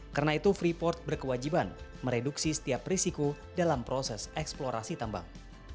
karena itu freeport berkewajiban mereduksi setiap risiko dalam proses eksplorasi tambang